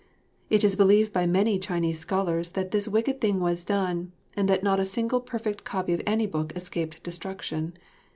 It is believed by many Chinese scholars that this wicked thing was done, and that not a single perfect copy of any book escaped destruction.